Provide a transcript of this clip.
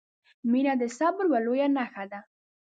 • مینه د صبر یوه لویه نښه ده.